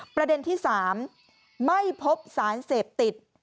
ประเด็นที่๓ไม่พบสารเสพติด